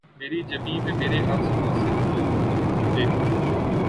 مری جبیں پہ مرے آنسوؤں سے کل لکھ دے